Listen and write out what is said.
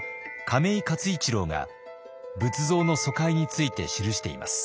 亀井勝一郎が仏像の疎開について記しています。